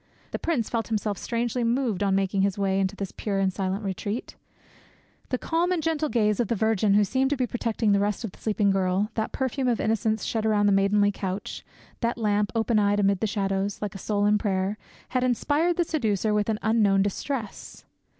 The prince felt himself strangely moved on making his way into this pure and silent retreat. The calm and gentle gaze of the Virgin who seemed to be protecting the rest of the sleeping girl, that perfume of innocence shed around the maidenly couch, that lamp, open eyed amid the shadows, like a soul in prayer, had inspired the seducer with an unknown distress.